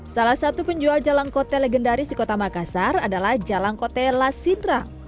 salah satu penjual jalangkote legendaris di kota makassar adalah jalangkote la sindra